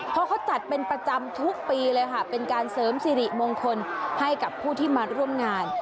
เพราะเขาจัดเป็นประจำทุกปีเลยค่ะเป็นการเสริมสิริมงคลให้กับผู้ที่มาร่วมงาน